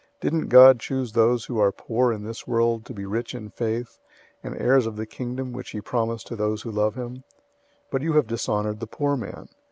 Didn't God choose those who are poor in this world to be rich in faith, and heirs of the Kingdom which he promised to those who love him? 002:006 But you have dishonored the poor man.